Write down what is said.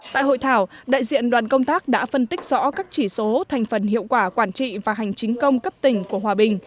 tại hội thảo đại diện đoàn công tác đã phân tích rõ các chỉ số thành phần hiệu quả quản trị và hành chính công cấp tỉnh của hòa bình